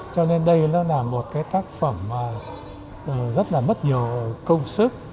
cho nên đây nó là một cái tác phẩm rất là mất nhiều công sức